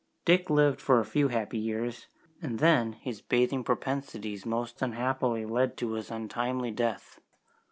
Dick lived for a few happy years, and then his bathing propensities most unhappily led to his untimely death.